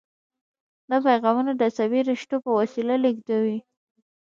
دا پیغامونه د عصبي رشتو په وسیله لیږدوي.